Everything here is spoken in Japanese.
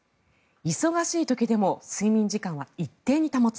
忙しい時でも睡眠時間は一定に保つ。